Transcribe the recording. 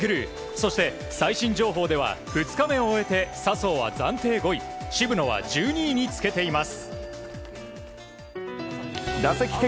そして、最新情報では２日目を終えて笹生は暫定５位渋野は１２位につけています。